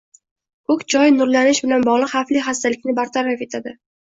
Ko‘k choy nurlanish bilan bog‘liq xavfli xastalikni bartaraf etadi.